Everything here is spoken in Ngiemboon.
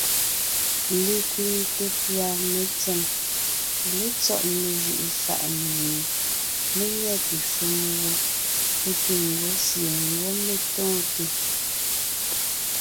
Lekẅiŋte pʉ̀a mentsém létsɔ́ mejʉ’ʉ fà’ mie mé nyɛte shúm wó é piŋ ńgwɔ́ sie ńgwɔ́ mé tóonte.